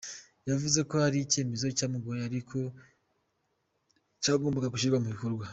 Yavuze ko ari icyemezo cyamugoye ariko cyagombaga gushyirwa mu bikorwa.